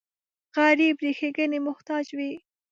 غریب د ښېګڼې محتاج وي